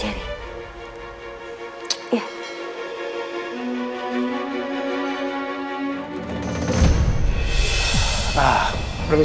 kalau oma dateng ntar dimarahin